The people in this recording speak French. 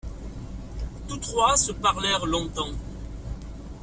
Tous trois se parlèrent longtemps.